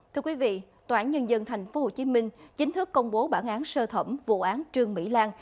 thưa quý vị tòa án nhân dân tp hcm chính thức công bố bản án sơ thẩm vụ án trương mỹ lan